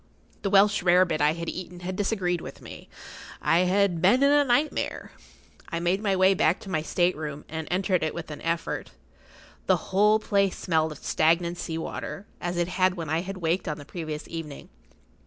The Welsh rare bit I had eaten had disagreed with me. I had been in a nightmare. I made my way back to my state room, and entered it with an effort. The whole place smelled of stagnant sea water, as it had when I had waked on the previous evening.